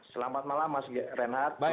selamat malam mas renhard